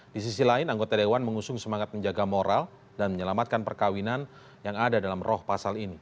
di sisi lain anggota dewan mengusung semangat menjaga moral dan menyelamatkan perkawinan yang ada dalam roh pasal ini